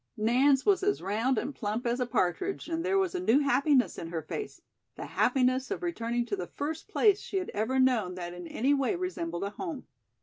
Nance was as round and plump as a partridge and there was a new happiness in her face, the happiness of returning to the first place she had ever known that in any way resembled a home.